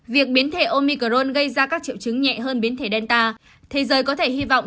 việc biến thể omicron gây ra các triệu chứng nhẹ hơn biến thể delta thế giới có thể hy vọng